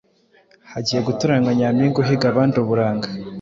hagiye gutoranywa Nyampinga uhiga abandi uburanga